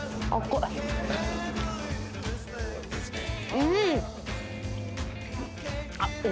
うん！